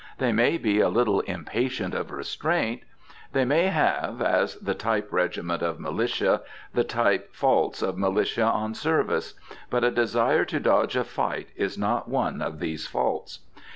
They may be a little impatient of restraint. They may have as the type regiment of militia the type faults of militia on service. But a desire to dodge a fight is not one of these faults.